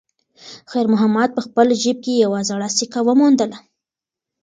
خیر محمد په خپل جېب کې یوه زړه سکه وموندله.